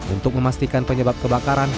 untuk memastikan penyebab kebakaran